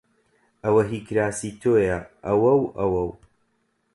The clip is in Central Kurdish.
ئەوە هیی کراسی تۆیە! ئەوە و ئەوە و